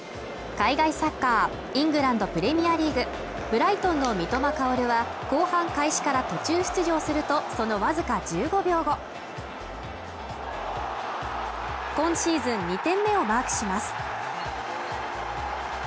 海外サッカーイングランド・プレミアリーグブライトンの三笘薫は後半開始から途中出場すると、そのわずか１５秒後今シーズン２点目をマークします